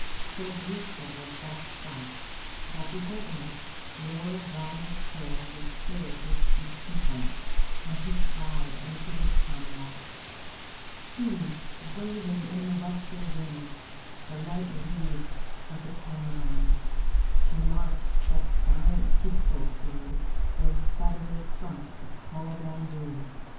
So beautiful was that spot that, beholding it, Lord Rama's soul 392 FROM THE TOWER WINDOW was filled with deep content and he cried unto his comrades: See waving in the western wind, The light leaves of the tamarind; And mark that giant peepul through Those feathery clumps of tall bamboo.